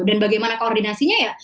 dan bagaimana koordinasinya ya